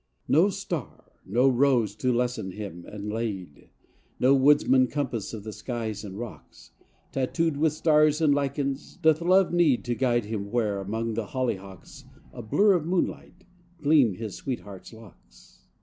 II No star, no rose, to lesson him and lead, No woodsman compass of the skies and rocks, Tattooed with stars and lichens, doth love need To guide him where, among the hollyhocks, A blur of moonlight, gleam his sweetheart's locks.